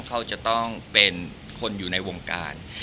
เขาจะต้องเป็นคนอยู่ในวงการ